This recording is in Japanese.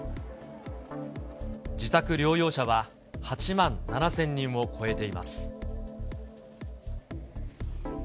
自宅療養者は８万７０００人を超えています。